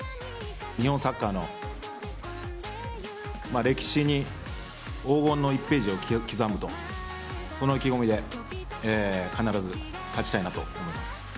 日本サッカーの歴史に黄金の１ページを刻むと、その意気込みで必ず勝ちたいなと思います。